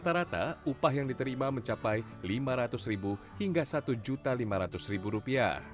rata rata upah yang diterima mencapai rp lima ratus hingga rp satu lima ratus